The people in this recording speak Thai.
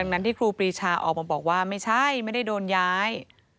ดังนั้นที่ครูปรีชาออกมาบอกว่าไม่ใช่ไม่ได้โดนย้าย